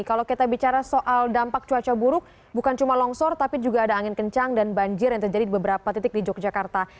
kalau kita bicara soal dampak cuaca buruk bukan cuma longsor tapi juga ada angin kencang dan banjir yang terjadi di beberapa titik di yogyakarta